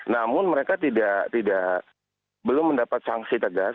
namun mereka belum mendapat sanksi tegas